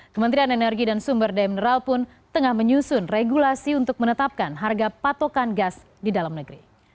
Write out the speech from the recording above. kementerian energi dan sumber daya mineral pun tengah menyusun regulasi untuk menetapkan harga patokan gas di dalam negeri